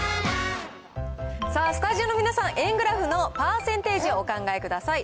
さあ、スタジオの皆さん、円グラフのパーセンテージをお考えください。